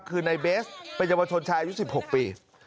คือนายเบสต์เป็นเยาวชนชายอีก๑๖ปี